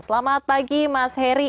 selamat pagi mas heri